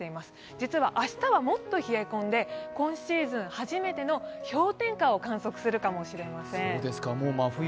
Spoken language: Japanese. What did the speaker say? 実は明日はもっと冷え込んで、今シーズン初めての氷点下を観測するかもしれません。